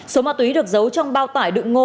số ma túy được giấu trong bao tải đựng ngô